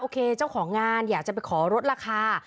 เจ้าของงานอยากจะไปขอลดราคา